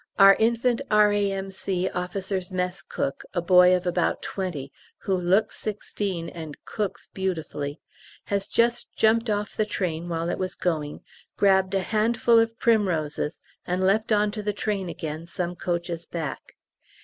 Our infant R.A.M.C. (Officer's Mess) cook (a boy of about twenty, who looks sixteen and cooks beautifully) has just jumped off the train while it was going, grabbed a handful of primroses, and leapt on to the train again some coaches back.